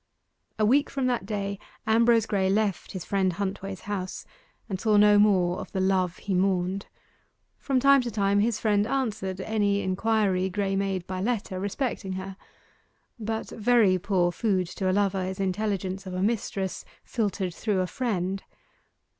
A week from that day Ambrose Graye left his friend Huntway's house and saw no more of the Love he mourned. From time to time his friend answered any inquiry Graye made by letter respecting her. But very poor food to a lover is intelligence of a mistress filtered through a friend.